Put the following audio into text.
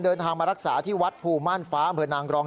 เดินทางมารักษาที่วัดภูม่านฟ้าอำเภอนางรอง